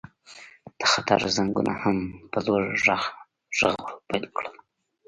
د خطر زنګونو هم په لوړ غږ غږول پیل کړل